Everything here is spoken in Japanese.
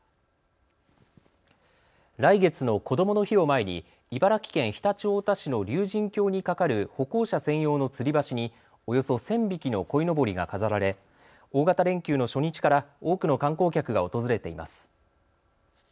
来月のこどもの日を前に茨城県常陸太田市の竜神峡に架かる歩行者専用のつり橋におよそ１０００匹のこいのぼりが飾られ大型連休の初日から多くの観光客が訪れています。